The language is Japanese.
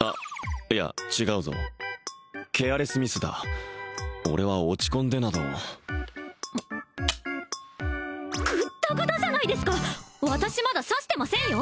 あいや違うぞケアレスミスだ俺は落ち込んでなどグッダグダじゃないですか私まだ指してませんよ！